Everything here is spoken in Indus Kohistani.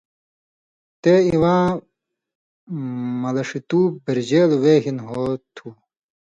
تے اِواں ملݜیۡتُوب بِرژېلوۡ وے ہِن ہو تُھو